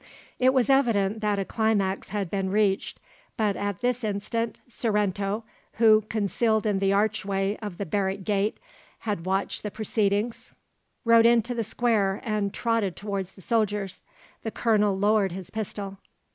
It was evident that a climax had been reached, but at this instant Sorrento, who, concealed in the archway of the barrack gate, had watched the proceedings, rode into the square and trotted towards the soldiers. The Colonel lowered his pistol.